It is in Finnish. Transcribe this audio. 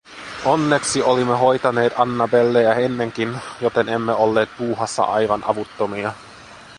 Onneksi olimme hoitaneet Annabelleä ennenkin, joten emme olleet puuhassa aivan avuttomia.